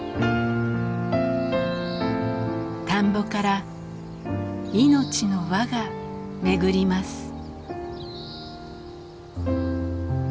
田んぼから命の輪が巡ります。